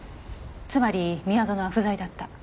つまり宮園は不在だった。